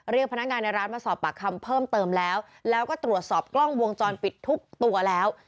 พนักงานในร้านมาสอบปากคำเพิ่มเติมแล้วแล้วก็ตรวจสอบกล้องวงจรปิดทุกตัวแล้ว